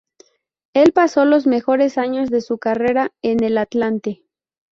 Él pasó los mejores años de su carrera en el Atlante.